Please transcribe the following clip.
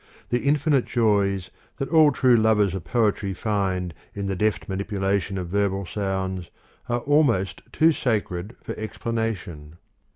The infinite joys that all true lovers of poetry find in the deft manipulation of verbal sounds are almost too sacred for explanation.